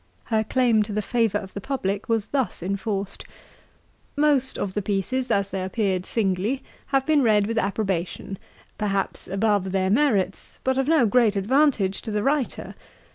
Her claim to the favour of the public was thus enforced: 'Most of the pieces, as they appeared singly, have been read with approbation, perhaps above their merits, but of no great advantage to the writer.